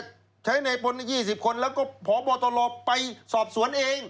ใช้ในพลใน๒๐คนแล้วก็พบตรไปสอบสวนเอง